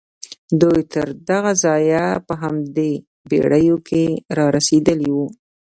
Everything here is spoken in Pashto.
دوی تر دغه ځايه په همدې بېړيو کې را رسېدلي وو.